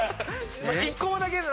１個目だけでな。